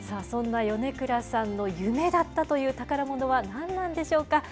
そんな米倉さんの夢だったという宝ものは何なんでしょうか。